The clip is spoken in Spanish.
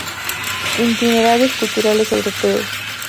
Itinerarios Culturales Europeos.